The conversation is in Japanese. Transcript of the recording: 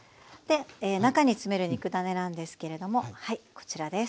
中に詰める肉ダネなんですけれどもはいこちらです。